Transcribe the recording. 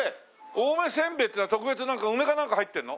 青梅せんべいってのは特別に梅かなんか入ってるの？